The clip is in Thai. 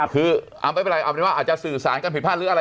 คือเอาเป็นว่าจะสื่อสารการผิดพลาดหรืออะไร